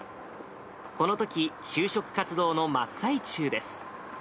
このとき、就職活動の真っ最中です。